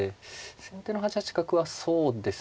先手の８八角はそうですね